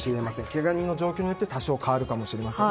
けが人の状況によって多少変わるかもしれません。